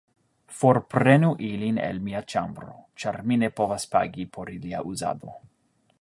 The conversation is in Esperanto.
Forprenu ilin el mia ĉambro, ĉar mi ne povas pagi por ilia uzado.